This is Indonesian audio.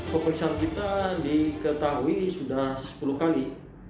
pemeriksaan kita diketahui sudah sepuluh kali